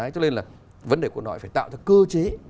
cho nên là vấn đề quân đội phải tạo ra cơ chế